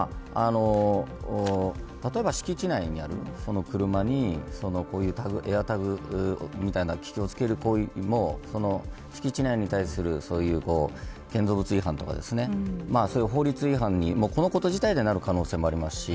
例えば敷地内にある車にエアタグみたいな機器を付ける行為も敷地内に対する建造物違反とか法律違反に、このこと自体でなる可能性もありますし